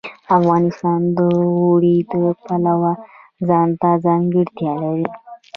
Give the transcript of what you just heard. افغانستان د اوړي د پلوه ځانته ځانګړتیا لري.